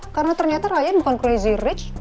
karena ternyata ryan bukan crazy rich